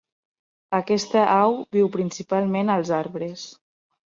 Aquesta au viu principalment als arbres.